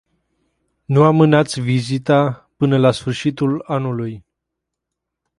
Nu amânați vizita până la sfârșitul anului.